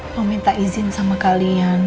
meminta izin sama kalian